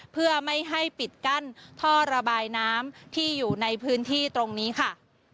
เพื่อไม่ให้ปิดกั้นท่อระบายน้ำที่อยู่ในพื้นที่ตรงนี้ค่ะ